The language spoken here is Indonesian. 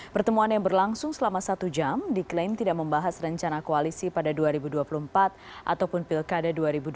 pertemuan yang berlangsung selama satu jam diklaim tidak membahas rencana koalisi pada dua ribu dua puluh empat ataupun pilkada dua ribu dua puluh